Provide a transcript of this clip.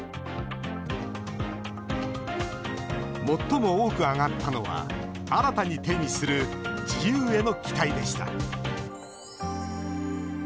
最も多く挙がったのは新たに手にする自由への期待でした。